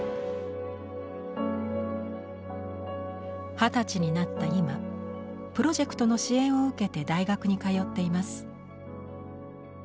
二十歳になった今プロジェクトの支援を受けて大学に通っています。